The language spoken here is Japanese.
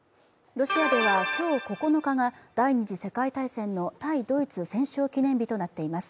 ロシアでは今日９日が第二次世界大戦の対ドイツ戦勝記念日となっています。